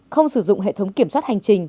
không sử dụng hệ thống kiểm soát hành trình